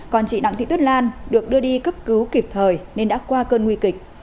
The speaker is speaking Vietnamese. còn chị đặng thị tuyết lan được đưa đi cấp cứu kịp thời nên đã qua cơn nguy kịch